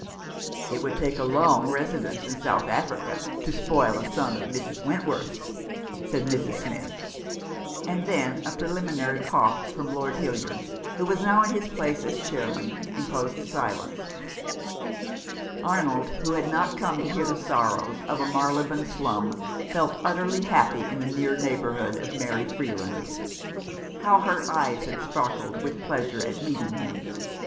" It would take a long residence in South Africa to spoil a son of Mrs. Wentworth' s," said Mrs. Smith ; and then a preliminary cough from Lord Hildyard, who was now in his place as chairman, imposed silence. Arnold, who had not come to hear the sorrows 225 Q Rough Justice. of a Marylebone slum, felt utterly happy in the near neighbourhood of Mary Freeland. How her eyes had sparkled with pleasure at meeting him !